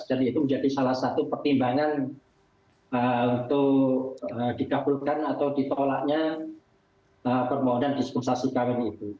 jadi itu menjadi salah satu pertimbangan untuk ditaburkan atau ditolaknya permohonan dispensasi kawin itu